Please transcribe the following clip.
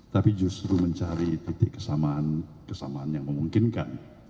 tapi justru mencari titik kesamaan kesamaan yang memungkinkan